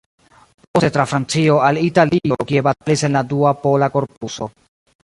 Poste tra Francio al Italio, kie batalis en la Dua Pola Korpuso.